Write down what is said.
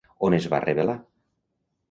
On es va revelar?